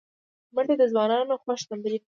منډه د ځوانانو خوښ تمرین دی